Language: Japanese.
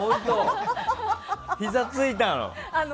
ひざ、ついたの？